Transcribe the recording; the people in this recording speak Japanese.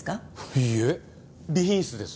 いいえ備品室です。